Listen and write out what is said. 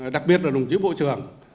đặc biệt là đồng chí bộ trưởng